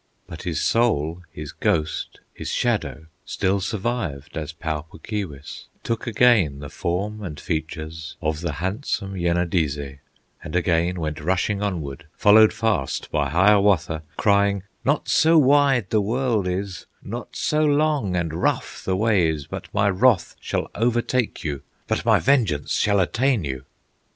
But his soul, his ghost, his shadow, Still survived as Pau Puk Keewis, Took again the form and features Of the handsome Yenadizze, And again went rushing onward, Followed fast by Hiawatha, Crying: "Not so wide the world is, Not so long and rough the way is, But my wrath shall overtake you, But my vengeance shall attain you!"